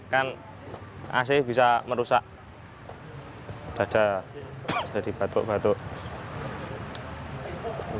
ketika berada di tempat berkumpul